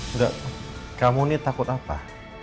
enggak kamu ini takut apa